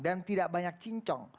dan tidak banyak cincong